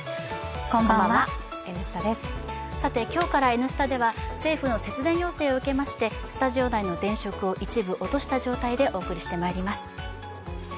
今日から「Ｎスタ」では政府の節電要請を受けましてスタジオ内の電飾を一部落とした状態でお送りしてまいります。